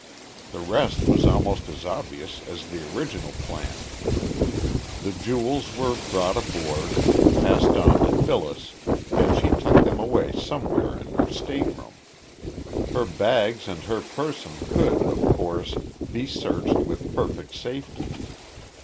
The rest was almost as obvious as the original plan. The jewels were brought aboard, passed on to Phyllis, and she tucked them away somewhere in her stateroom. Her bags and her person could, of course, be searched with perfect safety.